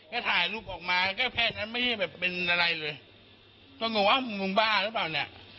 ก็ถ่ายรูปออกมาก็แค่นั้นไม่ได้แบบเป็นอะไรเลยก็งงว่ามึงบ้าหรือเปล่าเนี่ย